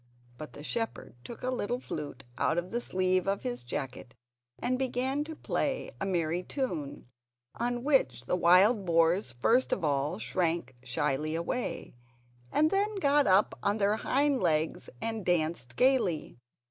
But the shepherd took a little flute out of the sleeve of his jacket and began to play a merry tune, on which the wild boars first of all shrank shyly away, and then got up on their hind legs and danced gaily.